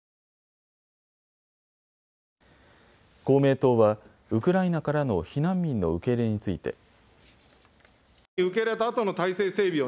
公明党はウクライナからの避難民の受け入れについて。